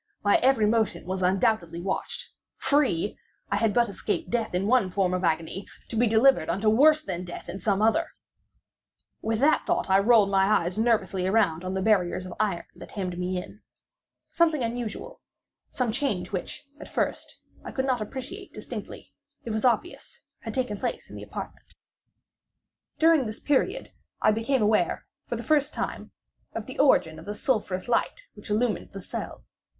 My every motion was undoubtedly watched. Free!—I had but escaped death in one form of agony, to be delivered unto worse than death in some other. With that thought I rolled my eves nervously around on the barriers of iron that hemmed me in. Something unusual—some change which, at first, I could not appreciate distinctly—it was obvious, had taken place in the apartment. For many minutes of a dreamy and trembling abstraction, I busied myself in vain, unconnected conjecture. During this period, I became aware, for the first time, of the origin of the sulphurous light which illumined the cell.